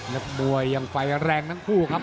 นักมวยยังไฟแรงทั้งคู่ครับ